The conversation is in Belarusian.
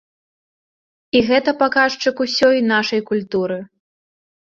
І гэта паказчык усёй нашай культуры.